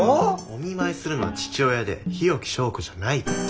お見舞いするのは父親で日置昭子じゃないから。